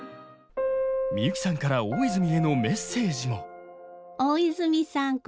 みゆきさんから大泉へのメッセージも大泉さん